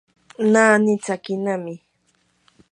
naani tsakinami.